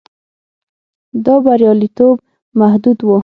دا بریالیتوب محدود و.